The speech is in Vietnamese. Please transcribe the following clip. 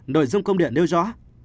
nội dung công điện nêu rõ